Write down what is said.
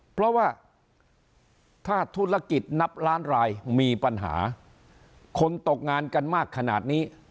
เพราะว่าถ้าธุรกิจนับล้านรายมีปัญหาคนตกงานกันมากขนาดนี้